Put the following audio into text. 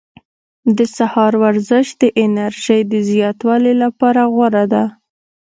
د سهار ورزش د انرژۍ د زیاتوالي لپاره غوره ده.